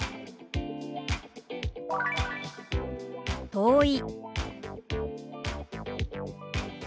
「遠い」。